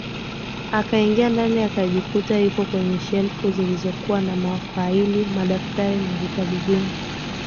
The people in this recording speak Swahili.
Akaingia ndani akajikuta yupo kwenye shelfu zilizokuwa na mafaili madaftari na vitabu vingi